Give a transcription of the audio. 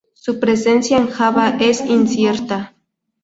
Su presencia en Java es incierta.